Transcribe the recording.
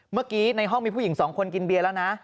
เมื่อกี้ในห้องมีผู้หญิงสองคนกินเบียร์แล้วนะ